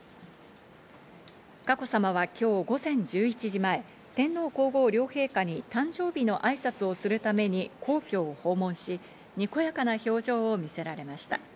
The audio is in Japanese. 佳子さまは今日午前１１時前、天皇皇后両陛下に誕生日の挨拶をするために皇居を訪問し、にこやかな表情を見せられました。